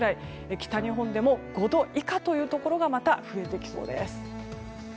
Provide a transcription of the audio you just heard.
北日本でも５度以下というところがまた増えてきそうです。